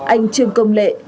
anh trương công lệ